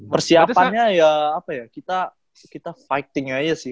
persiapannya ya apa ya kita fighting aja sih